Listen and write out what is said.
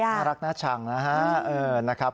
น่ารักน่าชังนะครับ